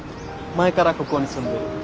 前からここに住んでる。